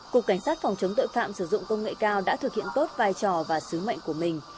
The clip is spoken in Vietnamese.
cục cảnh sát phòng chống tội phạm sử dụng công nghệ cao đã thực hiện tốt vai trò và sứ mệnh của mình